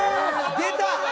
出た！